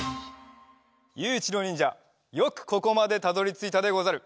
ゆういちろうにんじゃよくここまでたどりついたでござる。